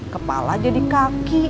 kepala jadi kaki